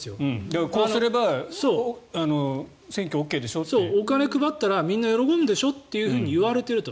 だから、こうすれば選挙ＯＫでしょって。お金を配ったらみんな喜ぶんでしょといわれていると。